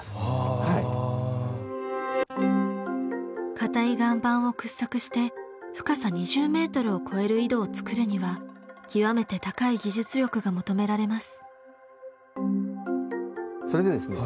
硬い岩盤を掘削して深さ２０ｍを超える井戸を作るには極めて高い技術力が求められます。